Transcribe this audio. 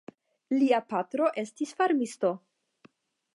Lia patro estis farmisto.